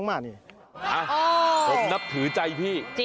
อ่านับถือใจพี่